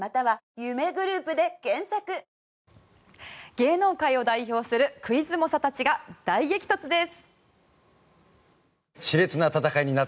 芸能界を代表するクイズ猛者たちが大激突です。